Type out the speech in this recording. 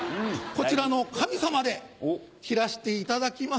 こちらの「紙様」で切らしていただきます。